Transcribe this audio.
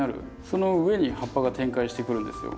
その上に葉っぱが展開してくるんですよ。